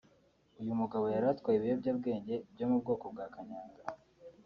uyu mugabo yari atwaye ibiyobyabwenge byo mu bwoko bwa kanyanga